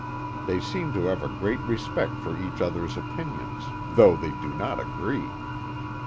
They seem to have a great respect for each other's opinions though they do not agree.